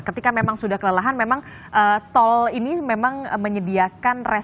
ketika memang sudah kelelahan memang tol ini memang menyediakan